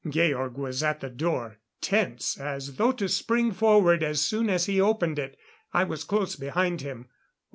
Georg was at the door, tense as though to spring forward as soon as he opened it. I was close behind him.